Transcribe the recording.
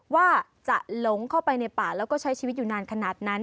ว่าจะหลงเข้าไปในป่าแล้วก็ใช้ชีวิตอยู่นานขนาดนั้น